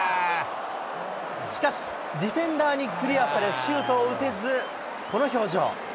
しかし、ディフェンダーにクリアされ、シュートを打てず、この表情。